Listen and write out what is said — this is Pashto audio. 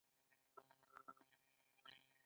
هغوی په سپین اواز کې پر بل باندې ژمن شول.